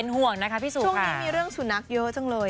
ช่วงนี้มีเรื่องฉุนักเยอะจังเลย